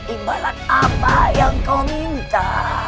imbalan apa yang kau minta